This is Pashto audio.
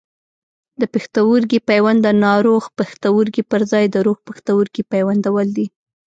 د پښتورګي پیوند د ناروغ پښتورګي پر ځای د روغ پښتورګي پیوندول دي.